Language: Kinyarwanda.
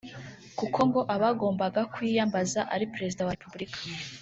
kuko ngo abagombaga kuyiyambaza ari Perezida wa Repubulika